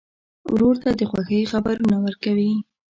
ورور ته د خوښۍ خبرونه ورکوې.